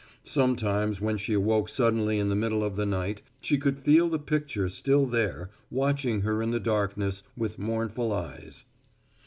Sometimes when she awoke suddenly in the middle of the night she could feel the picture still there, watching her in the darkness with mournful eyes.